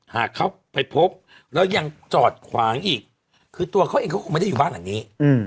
หากเขาไปพบแล้วยังจอดขวางอีกคือตัวเขาเองเขาคงไม่ได้อยู่บ้านหลังนี้